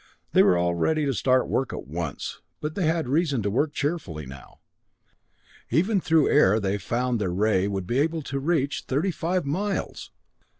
They were ready to start work at once, but they had reason to work cheerfully now. Even through air they had found their ray would be able to reach thirty five miles!